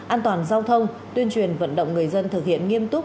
an toàn giao thông tuyên truyền vận động người dân thực hiện nghiêm túc